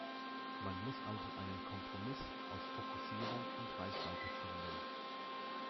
Man muss also einen Kompromiss aus Fokussierung und Reichweite finden.